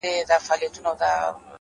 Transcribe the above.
ناځوانه ښه ښېرا قلندري کړې ده-